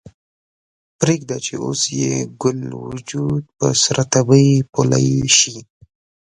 پریږده چې اوس یې ګل وجود په سره تبۍ پولۍ شي